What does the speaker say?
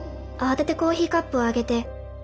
慌ててコーヒーカップを上げて。